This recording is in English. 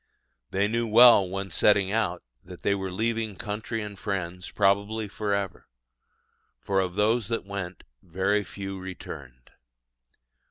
They knew well, when setting out, that they were leaving country and friends probably for ever; for of those that went, very few returned.